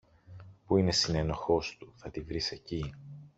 που είναι συνένοχος του, θα τη βρεις εκεί.